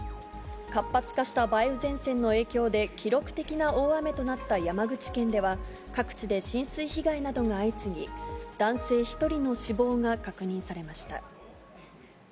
活発化した梅雨前線の影響で、記録的な大雨となった山口県では、各地で浸水被害などが相次ぎ、男性１人の死亡が確認されました。